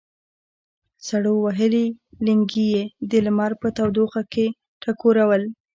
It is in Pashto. سړو وهلي لېنګي یې د لمر په تودوخه کې ټکورول.